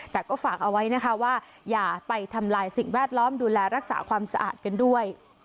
แต่ก็ฝากเอาไว้นะคะว่าอย่าไปทำลายสิ่งแวดล้อมดูแลรักษาความสะอาดกันด้วย